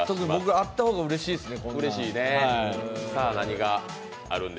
あった方がうれしいですね。